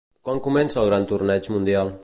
Quan comença el gran torneig mundial?